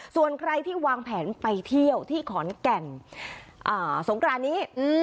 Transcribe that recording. ส่วนใครที่วางแผนไปเที่ยวที่ขอนแก่นสงกรานนี้